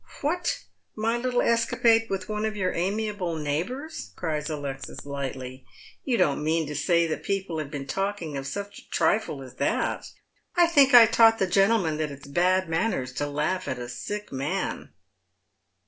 " What, my little escapade with one of your amiable neigh bours," cries Alexis, lightly. " You don't mean to say people have been talking of such a trifle as that ? I think I taught the gentleman that it's bad manners to laugh at a sick man."